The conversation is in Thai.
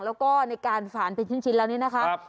แล้วก็ในการสารเป็นชิ้นแล้วนี่นะคะ